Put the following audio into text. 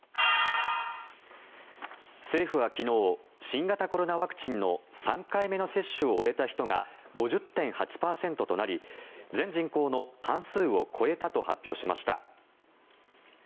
政府は昨日新型コロナワクチンの３回目の接種を終えた人が５０．８％となり全人口の半数を超えたと発表しました。